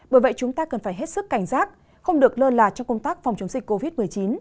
bởi vậy chúng ta cần phải hết sức cảnh giác không được lơ là trong công tác phòng chống dịch covid một mươi chín